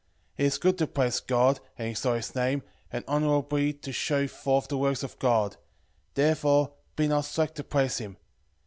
It is good to praise God, and exalt his name, and honourably to shew forth the works of God; therefore be not slack to praise him.